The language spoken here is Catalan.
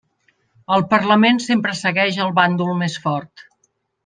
El parlament sempre segueix el bàndol més fort.